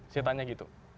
saya tanya gitu